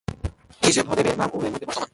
ঋষভদেবের নাম উভয়ের মধ্যে বর্তমান।